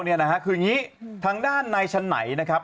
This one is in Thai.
คืออย่างนี้ทางด้านนายฉะไหนนะครับ